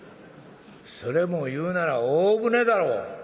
それを言うなら大船だろ」。